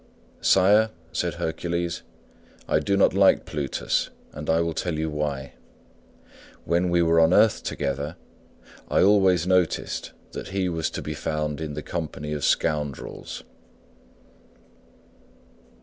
"Sire," said Hercules, "I do not like Plutus, and I will tell you why. When we were on earth together I always noticed that he was to be found in the company of scoundrels."